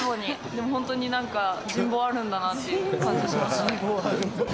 でも本当になんか人望あるんだなという感じしましたね。